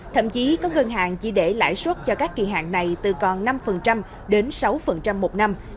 thậm chí có ngân hàng chỉ để lãi suất cho các kỳ hạn này từ còn năm đến sáu một năm